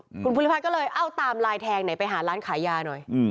ต้องคุณภูมิภัทรก็เลยเอาตามไลน์แทงไหนไปหาร้านขายาหน่อย